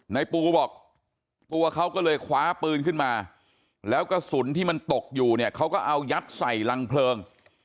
ในปูบอกตัวเขาก็เลยคว้าปืนขึ้นมาแล้วกระสุนที่มันตกอยู่เนี่ยเขาก็เอายัดใส่รังเพลิง